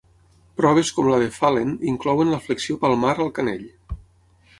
Proves com la de Phalen inclouen la flexió palmar al canell.